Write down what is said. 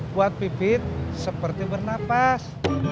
buat pipit seperti bernafas